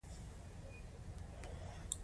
په دې وحشیانه پېښه کې زرګونه بزګران ووژل شول.